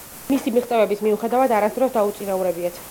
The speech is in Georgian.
მისი მიღწევების მიუხედავად არასდროს დაუწინაურებიათ.